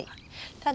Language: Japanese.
ただ。